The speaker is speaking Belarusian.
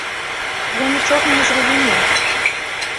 Я нічога не зразумеў.